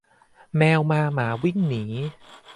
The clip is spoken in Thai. แมวมาหมาวิ่งหนี